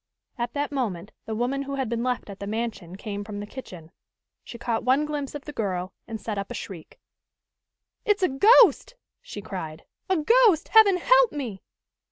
At that moment the woman who had been left at the mansion came from the kitchen. She caught one glimpse of the girl and set up a shriek. "It's a ghost!" she cried. "A ghost! Heaven help me!"